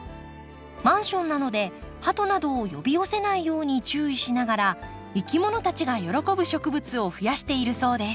マンションなのでハトなどを呼び寄せないように注意しながらいきものたちが喜ぶ植物をふやしているそうです。